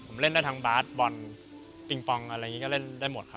ผมเล่นได้ทั้งบาสบอลปิงปองอะไรอย่างนี้ก็เล่นได้หมดครับ